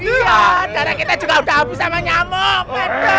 iya darah kita juga udah habis sama nyamuk